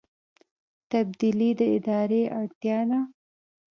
تبدیلي د ادارې اړتیا ده